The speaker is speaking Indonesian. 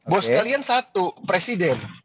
bos kalian satu presiden